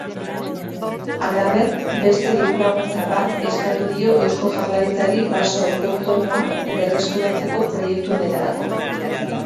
Halaber, beste dirulaguntza bat eskatu dio Eusko Jaurlaritzari baso autoktonoa berreskuratzeko proiektu honetarako.